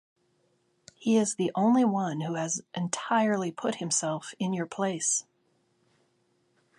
He is the only one Who has entirely put Himself in your place.